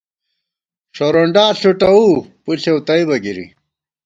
ݭورونڈا ݪُوٹَوُو ، پُݪېؤ تئیبہ گِری